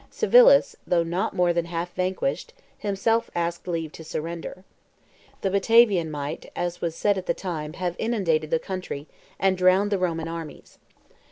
Civilis, though not more than half vanquished, himself asked leave to surrender. The Batavian might, as was said at the time, have inundated the country, and drowned the Roman armies.